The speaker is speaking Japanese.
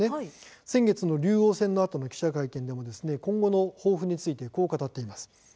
先月の竜王戦のあとの記者会見でも今後の抱負についてこう語っています。